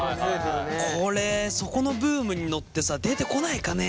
これそこのブームに乗ってさ出てこないかね。